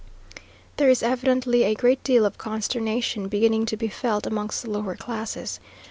There is evidently a great deal of consternation beginning to be felt amongst the lower classes.